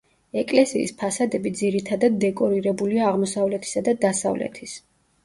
ეკლესიის ფასადები ძირითადად დეკორირებულია აღმოსავლეთისა და დასავლეთის.